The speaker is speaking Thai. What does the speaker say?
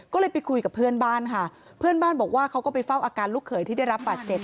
ก็เลยไปคุยกับเพื่อนบ้านค่ะเพื่อนบ้านบอกว่าเขาก็ไปเฝ้าอาการลูกเขยที่ได้รับบาดเจ็บ